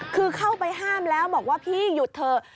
คือเข้าไปห้ามแล้วบอกว่าพี่หยุดเถอะ